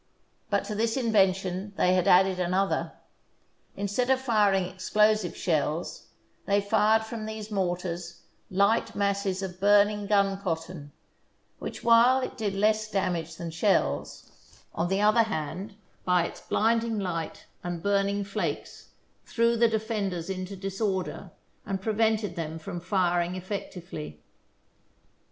But to this in vention they had added another. Instead of firing explosive shells, they fired from these mortars light masses of burning gun cotton, which, while it did THE BOOK OF FAMOUS SIEGES less damage than shells, on the other hand, by its blinding light and burning flakes, threw the de fenders into disorder and prevented them from fir ing effectively.